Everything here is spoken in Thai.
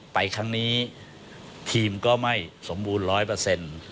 ไปครั้งนี้ทีมก็ไม่สมบูรณ์๑๐๐